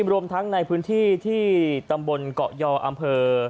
รวมทั้งในพื้นที่ที่ตำบลเกาะยออำเภอ